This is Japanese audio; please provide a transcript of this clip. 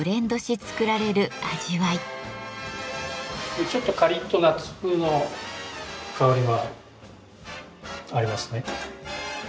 これちょっとカリッとナッツ風の香りがありますね。